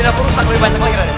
ceguru tidak bangun